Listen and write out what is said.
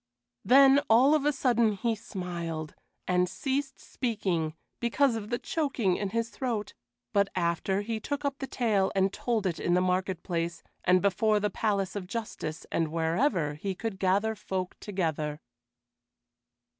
Then of a sudden he smiled, and ceased speaking because of the choking in his throat; but after, he took up the tale and told it in the market place and before the Palace of Justice and wherever he could gather folk together.